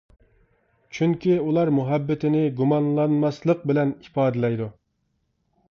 چۈنكى ئۇلار مۇھەببىتىنى گۇمانلانماسلىق بىلەن ئىپادىلەيدۇ.